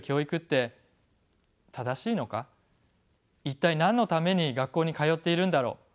一体何のために学校に通っているんだろう？